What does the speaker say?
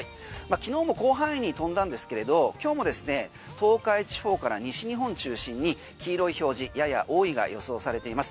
昨日も広範囲に飛んだんですけれど今日もですね東海地方から西日本中心に黄色い表示やや多いが予想されています。